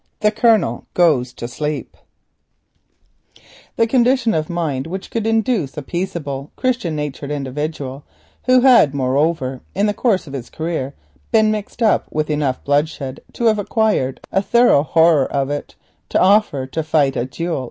THE COLONEL GOES TO SLEEP The state of mind is difficult to picture which could induce a peaceable christian natured individual, who had moreover in the course of his career been mixed up with enough bloodshed to have acquired a thorough horror of it, to offer to fight a duel.